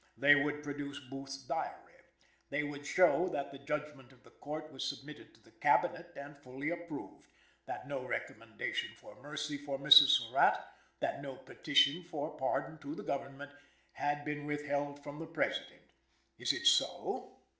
They would produce Booth's diary; they would show that the judgment of the court was submitted to the Cabinet and fully approved; that no recommendation for mercy for Mrs. Surratt that no petition for pardon to the Government had been withheld from the President. Is it so?"